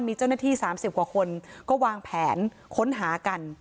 มีเจ้าหน้าที่๓๐กว่าคนก็วางแผนค้นหากัน